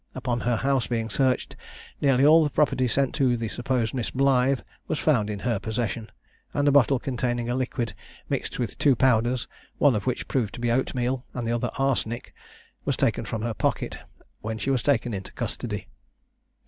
Upon her house being searched, nearly all the property sent to the supposed Miss Blythe was found in her possession, and a bottle containing a liquid mixed with two powders, one of which proved to be oatmeal, and the other arsenic, was taken from her pocket when she was taken into custody.